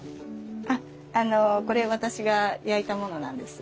あっあのこれ私が焼いたものなんです。